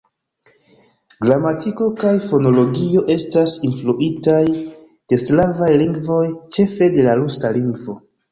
Gramatiko kaj fonologio estas influitaj de slavaj lingvoj, ĉefe de la rusa lingvo.